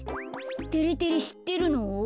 てれてれしってるの？